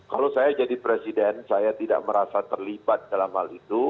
kalau saya jadi presiden saya tidak merasa terlibat dalam hal itu